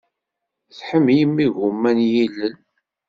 Tḥemmlem igumma n yilel?